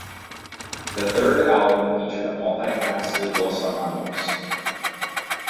The third album featured a multi-faceted Los Hermanos.